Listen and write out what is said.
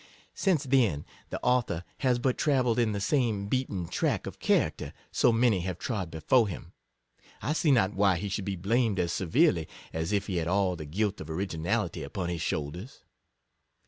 Since, then, the author has but travel led in the same beaten track of character so many have trod before him, I see not why he should be blamed as severely as if he had all the guilt of originality upon his shoulders.